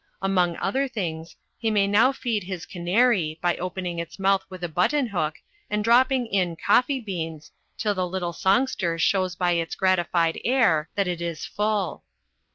Among other things, he may now feed his canary by opening its mouth with a button hook and dropping in coffee beans till the little songster shows by its gratified air that it is full.